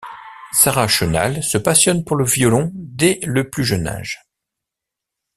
Sara Chenal se passionne pour le violon dès le plus jeune âge.